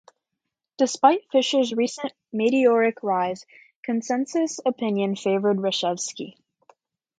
Despite Fischer's recent meteoric rise, consensus opinion favored Reshevsky.